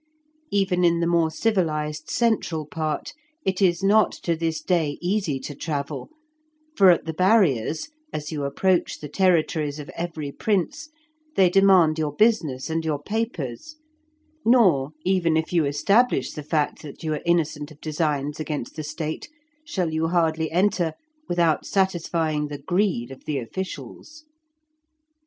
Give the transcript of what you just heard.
Even in the more civilized central part it is not to this day easy to travel, for at the barriers, as you approach the territories of every prince, they demand your business and your papers; nor even if you establish the fact that you are innocent of designs against the State, shall you hardly enter without satisfying the greed of the officials.